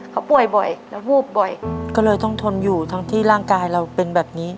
เขาป่วยบ่อยแล้ววูบบ่อยก็เลยต้องทนอยู่ทั้งที่ร่างกายเราเป็นแบบนี้